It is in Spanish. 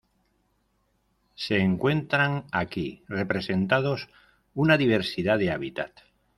Se encuentran aquí representados una diversidad de hábitats.